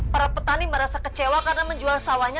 para petani merasa kecewa karena menjual sawahnya